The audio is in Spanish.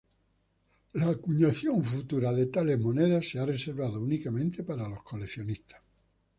La acuñación futura de tales monedas se ha reservado únicamente para los coleccionistas.